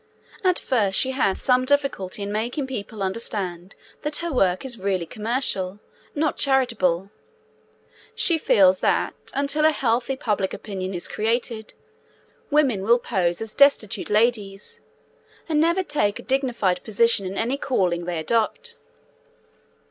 At first she had some difficulty in making people understand that her work is really commercial, not charitable; she feels that, until a healthy public opinion is created, women will pose as 'destitute ladies,' and never take a dignified position in any calling they adopt.